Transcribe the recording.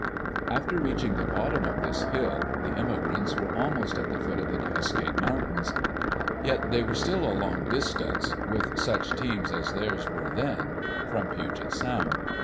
After reaching the bottom of this hill, the immigrants were almost at the foot of the Cascade Mountains. Yet they were still a long distance, with such teams as theirs were then, from Puget Sound.